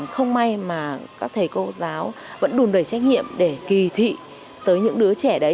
không may mà các thầy cô giáo vẫn đùn đẩy trách nhiệm để kỳ thị tới những đứa trẻ đấy